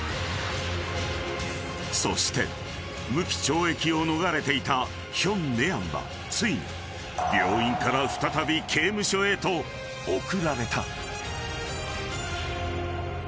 ［そして無期懲役を逃れていたヒョン・ネアンはついに病院から再び刑務所へと送られた］